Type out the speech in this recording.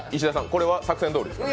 これは作戦どおりですか？